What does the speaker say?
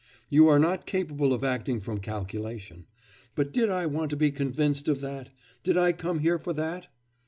You are not capable of acting from calculation; but did I want to be convinced of that? did I come here for that?